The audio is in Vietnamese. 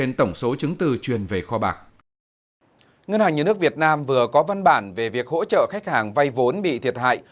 ngân hàng nhà nước việt nam vừa có văn bản về việc hỗ trợ khách hàng vay vốn bị thiệt hại